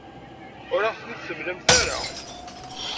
Ur aɣ-ten-id-temlamt ara.